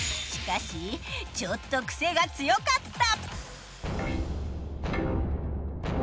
しかしちょっとクセが強かった。